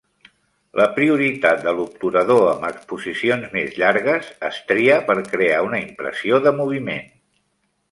La prioritat de l'obturador amb exposicions més llargues es tria per crear una impressió de moviment.